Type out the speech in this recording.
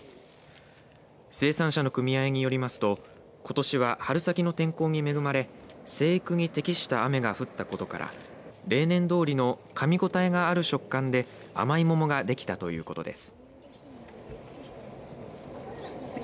生産者の組合によりますとことしは春先の天候に恵まれ生育に適した雨が降ったことから例年通りのかみ応えがある食感で甘い桃ができたということです。